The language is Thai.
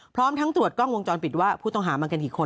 พร้อมทั้งตรวจกล้องวงจรปิดว่าผู้ต้องหามากันกี่คน